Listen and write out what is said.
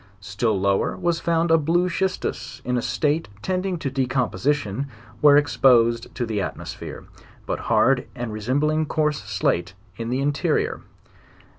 Still lower was found a blue schistus, in a state tending to decomposition where exposed to the atmosphere, tut hard and resembling coarse slate in the interrior.